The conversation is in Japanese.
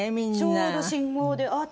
ちょうど信号であっ！